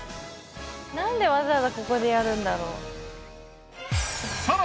なんでわざわざここでやるんだろう？